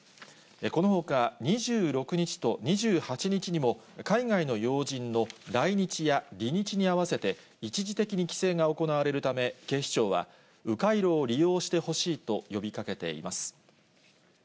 このほか、２６日と２８日にも、海外の要人の来日や離日に合わせて、一時的に規制が行われるため、警視庁は、う回路を利用してほしいと呼びかけています。